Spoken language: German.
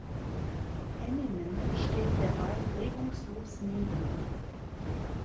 Eminem steht derweil regungslos neben ihm.